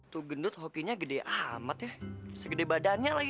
tuh gendut hokinya gede amat ya segede badannya lagi